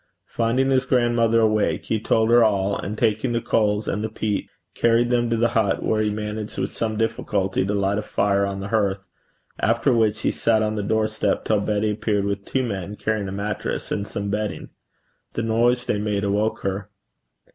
Finding his grandmother awake, he told her all, and taking the coals and the peat, carried them to the hut, where he managed, with some difficulty, to light a fire on the hearth; after which he sat on the doorstep till Betty appeared with two men carrying a mattress and some bedding. The noise they made awoke her.